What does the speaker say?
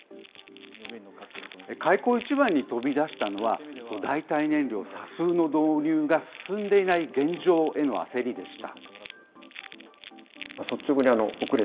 開口一番に飛び出したのは、代替燃料、ＳＡＦの導入が進んでいない現状への焦りでした。